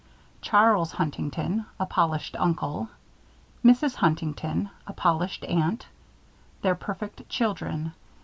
CHARLES HUNTINGTON: A Polished Uncle. MRS. HUNTINGTON: A Polished Aunt. Their Perfect Children.